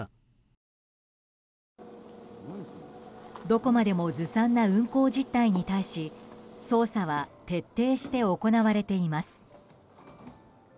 どこまでもずさんな運航実態に対し捜査は徹底して行われています。